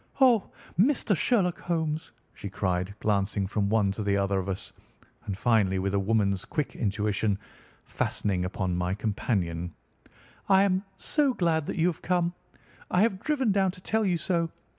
"Oh, Mr. Sherlock Holmes!" she cried, glancing from one to the other of us, and finally, with a woman's quick intuition, fastening upon my companion, "I am so glad that you have come. I have driven down to tell you so.